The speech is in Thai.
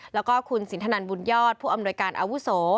แล้วก็คุณสินทนันบุญยอดผู้อำนวยการอาวุโส